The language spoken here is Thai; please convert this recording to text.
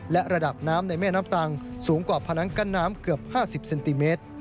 และระดับน้ำในแม่น้ำตังสูงกว่าผนังกั้นน้ำเกือบ๕๐เซนติเมตร